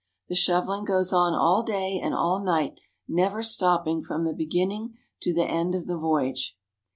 The shoveHng goes on all day and all night, never stopping from the beginning to the end of the voyage.